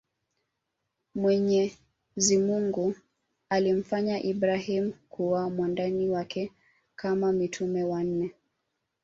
Mwenyezimungu alimfanya Ibrahim kuwa mwandani wake Kama mitume wanne